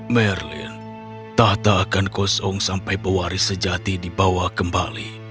merlin tahta akan kosong sampai pewaris sejati dibawa kembali